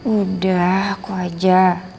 udah aku aja